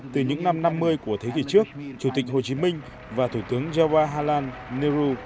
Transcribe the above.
từ những năm năm mươi của thế kỷ trước chủ tịch hồ chí minh và thủ tướng jawaharlal nehru